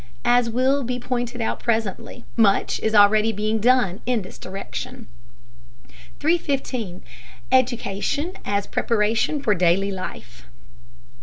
As will be pointed out presently, much is already being done in this direction. 315. EDUCATION AS PREPARATION FOR DAILIY LIFE.